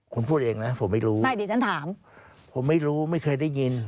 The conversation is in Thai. คุณพูดเองนะผมไม่รู้นะผมไม่รู้ไม่เคยได้ยินไม่เคยได้ยิน